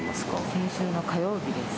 先週の火曜日です。